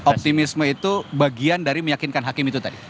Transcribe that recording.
jadi optimisme itu bagian dari meyakinkan hakim itu tadi